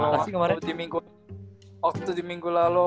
waktu di minggu lalu